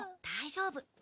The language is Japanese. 大丈夫。